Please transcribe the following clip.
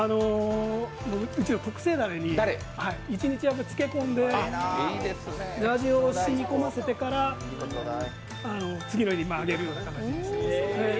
うちの特製だれに一日漬け込んで味を染み込ませてから次の日に揚げるような形です。